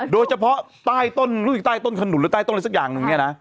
โดยเฉพาะใต้ต้นรู้สึกใต้ต้นขนุนหรือใต้ต้นอะไรสักอย่างหนึ่งเนี่ยนะ